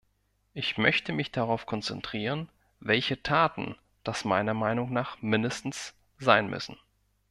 Ich möchte mich darauf konzentrieren, welche Taten das meiner Meinung nach mindestens sein müssen.